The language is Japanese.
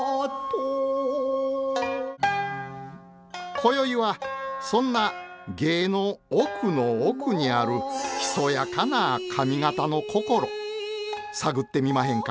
今宵はそんな芸の奥の奥にあるひそやかな上方の心探ってみまへんか？